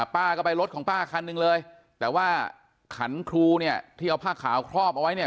ป้าก็ไปรถของป้าคันนึงเลยแต่ว่าขันครูที่เอาผ้าขาวครอบเอาไว้